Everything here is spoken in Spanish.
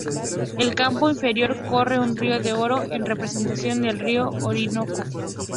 En el campo inferior, corre un río de oro en representación del río Orinoco.